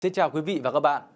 xin chào quý vị và các bạn